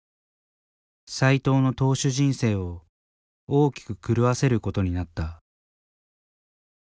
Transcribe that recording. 斎藤の投手人生を大きく狂わせることになった。